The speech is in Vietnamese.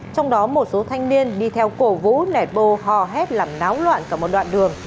trong đó một số thanh niên đi theo cổ vũ nẹt bô hò hét làm náo loạn cả một đoạn đường